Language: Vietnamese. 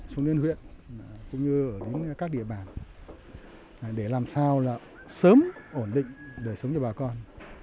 xuống đến huyện cũng như ở đến các địa bàn để làm sao là sớm ổn định đời sống cho bà con